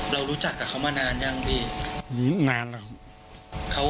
รู้จักกับเขามานานยังพี่นานแล้วครับ